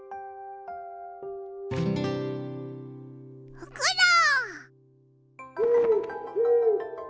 ふくろう。